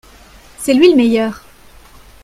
C'est lui le meilleur.